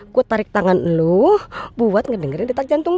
kiki cepetan balik dong dari kampung